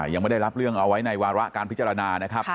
ยังไม่ได้รับเรื่องเอาไว้ในวาระการพิจารณานะครับ